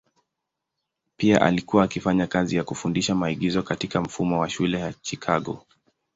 Pia alikuwa akifanya kazi ya kufundisha maigizo katika mfumo wa shule ya Chicago.